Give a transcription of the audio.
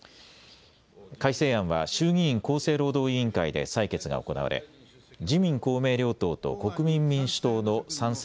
改正案は衆議院厚生労働委員会で採決が行われ自民公明両党と国民民主党の賛成